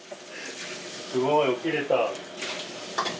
すごい起きれた。